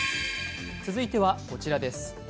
続いてはこちらです。